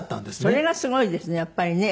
それがすごいですねやっぱりね。